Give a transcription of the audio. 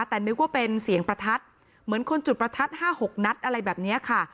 แต่นึกว่าเป็นเสียงประทัดเหมือนคนจุดประทัด๕๖นัดอะไรแบบนี้ค่ะ